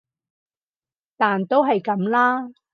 但都係噉啦